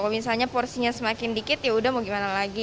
misalnya porsinya semakin dikit yaudah mau gimana lagi